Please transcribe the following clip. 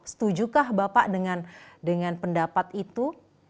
setujukah bapak dengan pendapat itu